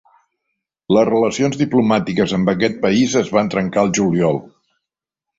Les relacions diplomàtiques amb aquest país es van trencar el juliol.